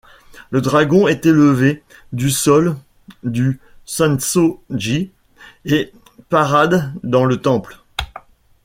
Le dragon est élevé du sol du Sensō-ji et parade dans le temple.